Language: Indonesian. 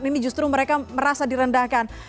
ini justru mereka merasa direndahkan